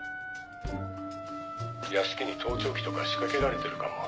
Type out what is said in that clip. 「屋敷に盗聴器とか仕掛けられてるかも」